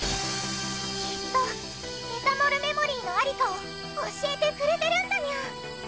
きっとメタモルメモリーのありかを教えてくれてるんだニャン。